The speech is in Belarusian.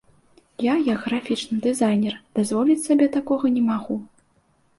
Я, як графічны дызайнер, дазволіць сабе такога не магу.